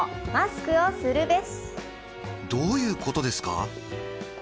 どういうことですか？